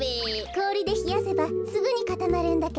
こおりでひやせばすぐにかたまるんだけど。